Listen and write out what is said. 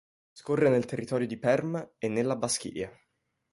Scorre nel Territorio di Perm' e nella Baschiria.